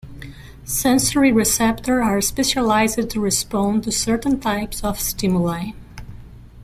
Sensory receptor are specialized to respond to certain types of stimuli.